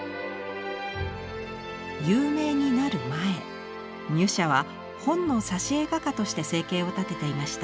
有名になる前ミュシャは本の挿絵画家として生計を立てていました。